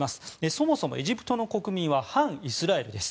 そもそもエジプトの国民は反イスラエルです。